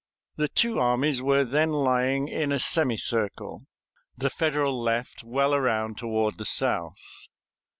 The two armies were then lying in a semicircle, the Federal left well around toward the south.